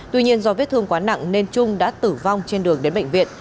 tuy nhiên do vết thương quá nặng nên trung đã tử vong trên đường đến bệnh viện